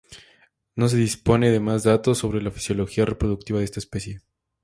No se dispone de más datos sobre la fisiología reproductiva de esta especie.